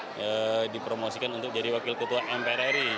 eee dipromosikan untuk jadi wakil ketua mprri